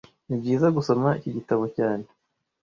Nibyiza gusoma iki gitabo cyane